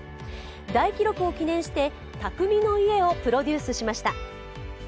大記録を記念して、匠の家をプロデュースしました。